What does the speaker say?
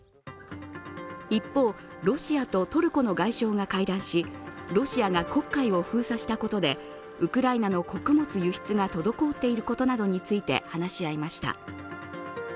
一方、ロシアとトルコの外相が会談し、ロシアが黒海を封鎖したことでウクライナの穀物輸出が滞っていることなどについて話し合いました。